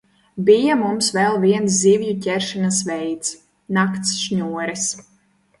Bija mums vēl viens zivju ķeršanas veids – nakts šņores.